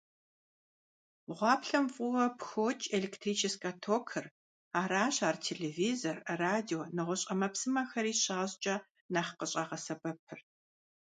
Гъуаплъэм фӀыуэ пхрокӀ электрическэ токыр, аращ ар телевизор, радио, нэгъуэщӀ Ӏэмэпсымэхэри щащӀкӀэ нэхъ къыщӀагъэсэбэпыр.